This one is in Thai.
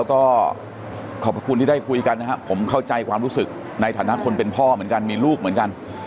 แล้วก็ขอบคุณที่ได้คุยกันนะครับผมเข้าใจความรู้สึกในฐานะคนเป็นพ่อเหมือนกันมีลูกเหมือนกัน